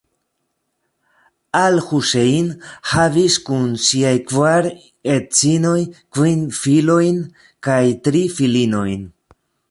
Al-Husejn havis kun siaj kvar edzinoj kvin filojn kaj tri filinojn.